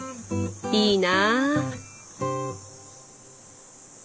いいな。